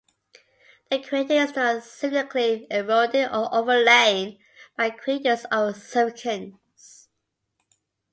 The crater is not significantly eroded or overlain by craters of significance.